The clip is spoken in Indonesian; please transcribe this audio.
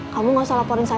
kamu gak usah laporin ke aku